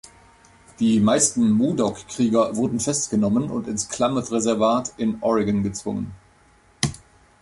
Die meisten Modoc-Krieger wurden festgenommen und ins Klamath-Reservat in Oregon gezwungen.